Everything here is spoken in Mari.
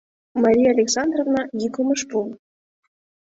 Мария Александровна йӱкым ыш пу.